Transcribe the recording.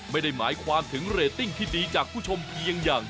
ไม่ได้หมายความถึงเรตติ้งที่ดีจากผู้ชมเพียงอย่าง